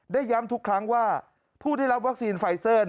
ย้ำทุกครั้งว่าผู้ได้รับวัคซีนไฟเซอร์